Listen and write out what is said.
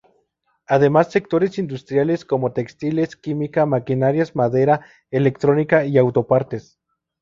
Además sectores industriales como textiles, química, maquinarias, madera, electrónica y auto partes.